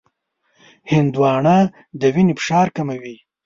هندوانه د وینې فشار کموي.